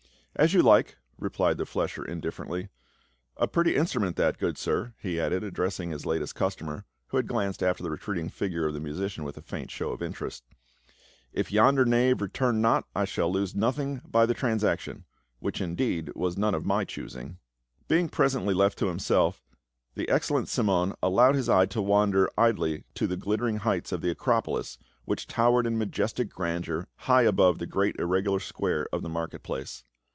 "As you like," replied the flesher indifferently. "A pretty instrument that, good sir," he added, address in<? his latest customer, who had glanced after the re treating figure of the musician with a faint show of interest. " If yonder knave return not I shall lose nothing by the transaction — which, indeed, was none of my choosing." 332 PA UL. Being presently left to himself, the excellent Cimon allowed his eye to wander idly to the glittering heights of the Acropolis, which towered in majestic grandeur high above the great irregular square of the market place.